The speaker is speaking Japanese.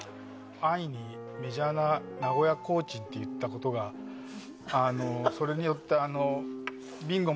安易にメジャーな名古屋コーチンって言った事があのそれによってあの。